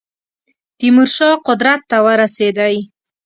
تیمور شاه قدرت ته ورسېدی.